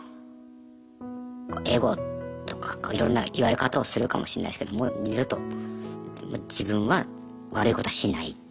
エゴとかいろんな言われ方をするかもしれないですけどもう二度と自分は悪いことはしない。